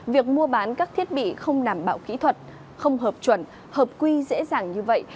việc mua bán các thiết bị không đảm bảo kỹ thuật không hợp chuẩn hợp quy dễ dàng như vậy